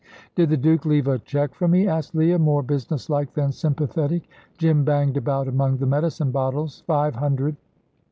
"Did the Duke leave a cheque for me?" asked Leah, more business like than sympathetic. Jim banged about among the medicine bottles. "Five hundred."